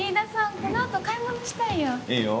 このあと買い物したいよ。